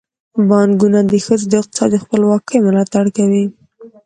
بانکونه د ښځو د اقتصادي خپلواکۍ ملاتړ کوي.